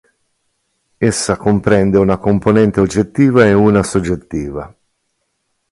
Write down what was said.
Essa comprende una componente oggettiva ed una soggettiva.